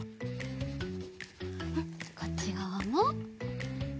うんこっちがわも。